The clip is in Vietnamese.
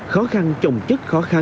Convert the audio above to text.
khó khăn trồng chất khó khăn